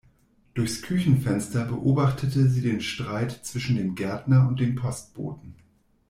Durchs Küchenfenster beobachtete sie den Streit zwischen dem Gärtner und dem Postboten.